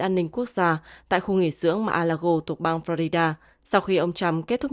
an ninh quốc gia tại khu nghỉ sưỡng mar a lago thuộc bang florida sau khi ông trump kết thúc